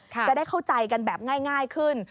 จะได้เข้าใจกันแบบง่ายขึ้น